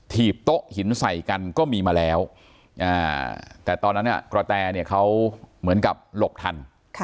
ีบโต๊ะหินใส่กันก็มีมาแล้วแต่ตอนนั้นกระแตเนี่ยเขาเหมือนกับหลบทัน